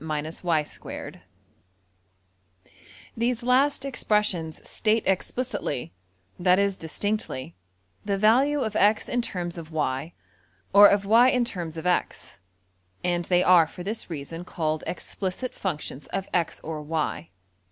\end{DPalign*} These last expressions state explicitly (that is, distinctly) the value of $x$ in terms of~$y$, or of $y$ in terms of~$x$, and they are for this reason called \emph{explicit functions} of $x$~or~$y$.